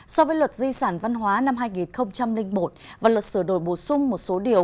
so với luật di sản văn hóa năm hai nghìn một và luật sửa đổi bổ sung một số điều